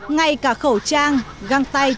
ngay cả khẩu trang